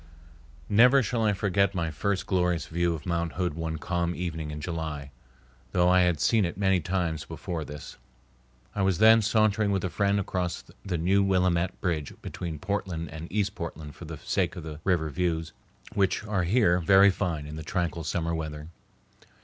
Never shall I forget my first glorious view of Mount Hood one calm evening in July, though I had seen it many times before this. I was then sauntering with a friend across the new Willamette bridge between Portland and East Portland for the sake of the river views, which are here very fine in the tranquil summer weather.